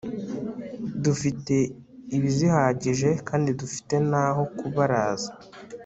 dufite ibizihagije kandi dufite n aho kubaraza